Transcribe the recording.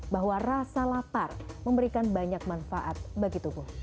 bahwa rasa lapar memberikan banyak manfaat bagi tubuh